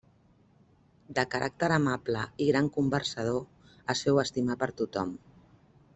De caràcter amable i gran conversador, es féu estimar per tothom.